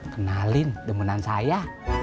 kenalin demenan saya